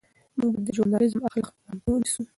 موږ باید د ژورنالیزم اخلاق په پام کې ونیسو.